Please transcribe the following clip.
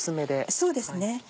そうですね。